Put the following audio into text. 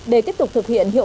để tiếp tục thực hiện hiệu quả